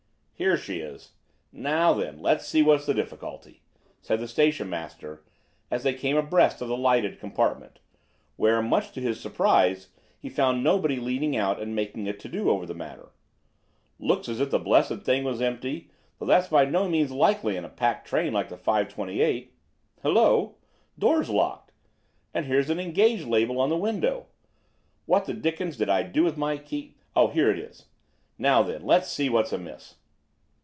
"Here she is. Now, then, let's see what's the difficulty," said the station master, as they came abreast of the lightless compartment, where, much to his surprise, he found nobody leaning out and making a "to do" over the matter. "Looks as if the blessed thing was empty, though that's by no means likely in a packed train like the 5.28. Hallo! Door's locked. And here's an 'Engaged' label on the window. What the dickens did I do with my key? Oh, here it is. Now, then, let's see what's amiss."